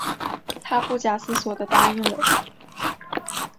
她不假思索地答应了